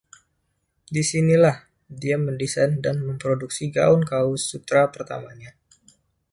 Di sinilah dia mendesain dan memproduksi gaun kaus sutra pertamanya.